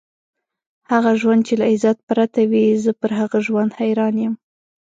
هغه ژوند چې له عزت پرته وي، زه پر هغه ژوند حیران یم.